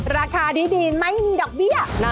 ราคาดีไม่มีดอกเบี้ย